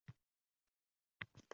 U yer-bu yerlari butunmi, butmi?